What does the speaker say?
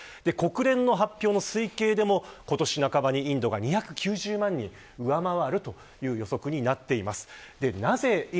国連の発表の推計でも今年半ばに２９０万人を上回るという予測になっています。